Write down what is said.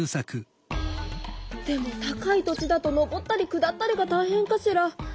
でも高い土地だと登ったり下ったりがたいへんかしら。